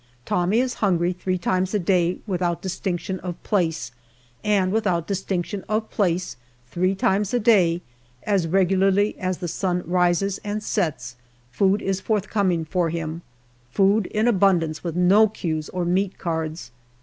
Tommy is hungry three times a day without distinction of place, and without distinction of place three times a day, as regularly as the sun rises and sets, food is forthcoming for him, food in abundance with no queues or meat cards.